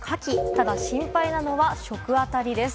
ただ心配なのが食あたりです。